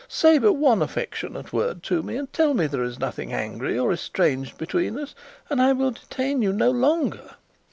Say but one affectionate word to me, and tell me there is nothing angry or estranged between us, and I will detain you no longer."